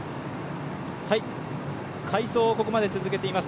快走をここまで続けています